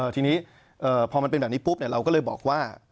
ทีนี้พอมันเป็นแบบนี้ปุ๊บเราก็เลยบอกว่า